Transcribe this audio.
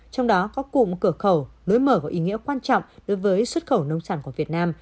trong đó có cụm cửa khẩu lối mở có ý nghĩa quan trọng đối với xuất khẩu nông sản của việt nam